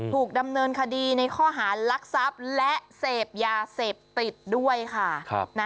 ถูกดำเนินคดีในข้อหารลักทรัพย์และเสพยาเสพติดด้วยค่ะ